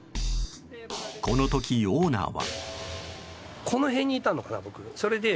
この時、オーナーは。